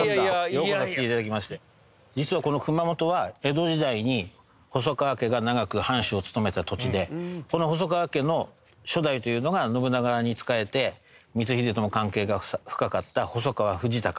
実はこの熊本は江戸時代に細川家が長く藩主を務めた土地でこの細川家の初代というのが信長に仕えて光秀とも関係が深かった細川藤孝。